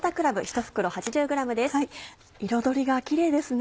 彩りがキレイですね